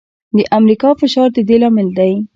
د امریکا فشار د دې لامل دی.